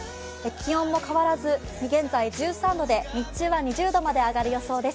気温も変わらず現在１３度で日中は２０度まで上がる予想です。